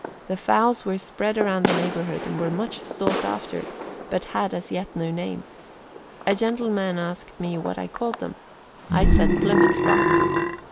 The fowls were spread around the neighborhood and were much sought after, but had as yet no name. A gentleman asked me what I called them. I said 'Plymouth Rock.'